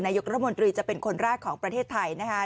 นายกรัฐมนตรีจะเป็นคนแรกของประเทศไทยนะคะ